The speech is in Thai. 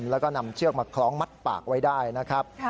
แล้วก็นำเชือกมาคล้องมัดปากไว้ได้นะครับ